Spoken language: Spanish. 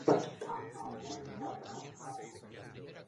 Fue miembro del grupo de hip hop Terror Squad.